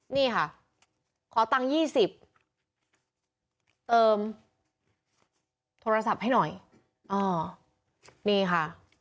นี่ค่ะขอตังค์๒๐เติมโทรศัพท์ให้หน่อยอ๋อนี่ค่ะ